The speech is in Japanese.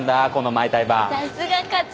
さすが課長。